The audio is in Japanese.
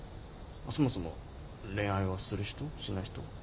そもそも恋愛はする人？しない人？